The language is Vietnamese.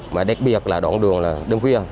mà đặc biệt là đoạn đường đêm khuya